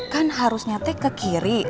kan harusnya teh ke kiri